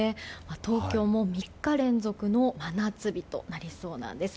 東京も３日連続の真夏日となりそうなんです。